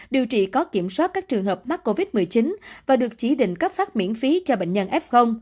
điều trị có kiểm soát các trường hợp mắc covid một mươi chín và được chỉ định cấp phát miễn phí cho bệnh nhân f